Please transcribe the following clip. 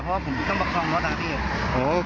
เพราะว่าผมต้องมาครองรถทางที่เอง